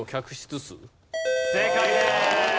正解です。